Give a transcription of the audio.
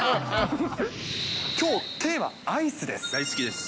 きょう、テーマ、アイスです。